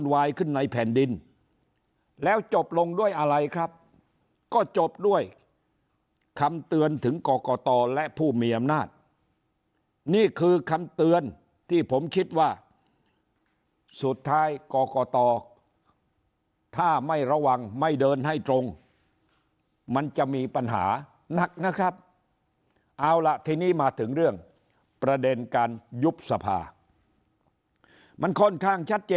วายขึ้นในแผ่นดินแล้วจบลงด้วยอะไรครับก็จบด้วยคำเตือนถึงกรกตและผู้มีอำนาจนี่คือคำเตือนที่ผมคิดว่าสุดท้ายกรกตถ้าไม่ระวังไม่เดินให้ตรงมันจะมีปัญหาหนักนะครับเอาล่ะทีนี้มาถึงเรื่องประเด็นการยุบสภามันค่อนข้างชัดเจ